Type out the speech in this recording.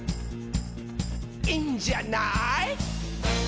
「いいんじゃない？」